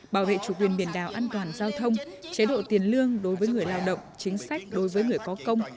bảo vệ chủ quyền biển đảo an toàn giao thông chế độ tiền lương đối với người lao động chính sách đối với người có công